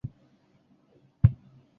首府为塔布克。